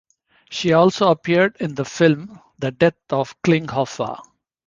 She also appeared in the film, "The Death of Klinghoffer".